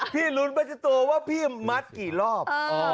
พี่รุ้นมัชโตว่าพี่มัดกี่รอบ